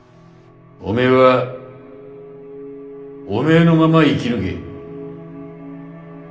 おめえはおめえのまま生き抜け。